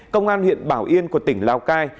công an huyện bảo yên của tỉnh lào cai